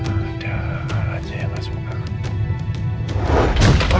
ada aja yang nggak suka